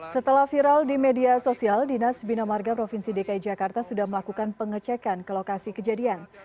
setelah viral di media sosial dinas bina marga provinsi dki jakarta sudah melakukan pengecekan ke lokasi kejadian